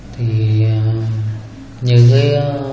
thì như cái